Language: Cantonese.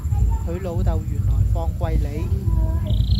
佢老豆原來放貴利